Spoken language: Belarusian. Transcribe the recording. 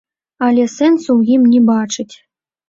Але сэнсу ў ім не бачыць.